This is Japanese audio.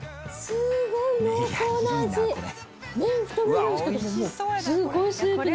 すごいね。